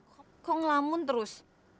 kok ngelamun terus